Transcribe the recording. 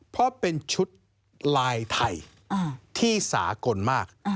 เพราะเป็นชุดลายไทยที่สากลมาก